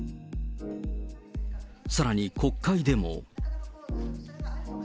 さらに国会でも。